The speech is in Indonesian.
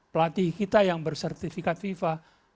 pelatih kita yang bersertifikat fifa